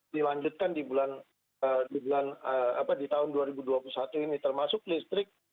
dilanjutkan di tahun dua ribu dua puluh satu ini termasuk listrik